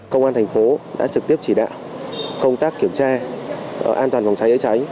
công an thành phố đã trực tiếp chỉ đạo công tác kiểm tra an toàn phòng cháy chữa cháy